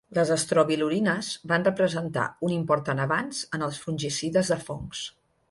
Les estrobilurines van representar un important avanç en els fungicides de fongs.